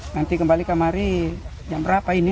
nanti kembali kemari jam berapa ini